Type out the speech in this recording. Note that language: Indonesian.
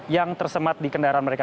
yang tersemat di kendaraan mereka